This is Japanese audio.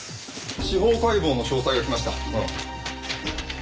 司法解剖の詳細が来ました。